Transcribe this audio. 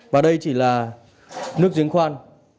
và đây chỉ là nước diễn khoan